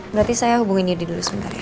berarti saya hubungin yudi dulu sebentar ya